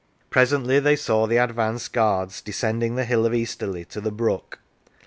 Presently they saw the advance guards descending the hill of Easterley to the brook.